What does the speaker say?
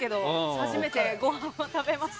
初めてごはんを食べました。